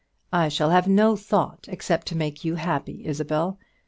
"I shall have no thought except to make you happy, Isabel.